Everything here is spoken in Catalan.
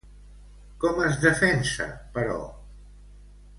Com es defensa, però?